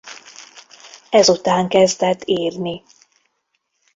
Ezután kezdett írni.